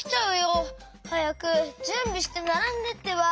はやくじゅんびしてならんでってば！